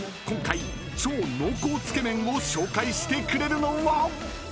［今回超濃厚つけ麺を紹介してくれるのは］